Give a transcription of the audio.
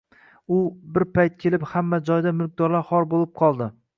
va bir payt kelib hamma joyda mulklar xor bo‘lib qoldi